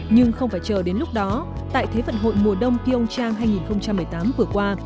nhưng không phải chờ đến lúc đó tại thế vận hội mùa đông pyeongchang hai nghìn một mươi tám vừa qua